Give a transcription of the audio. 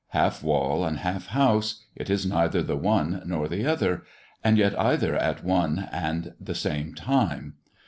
Half wall and half house, it is neither the one nor the other; and yet either at one and the same time.